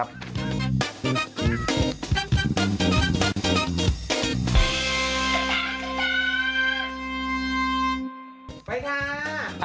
ไปค่ะ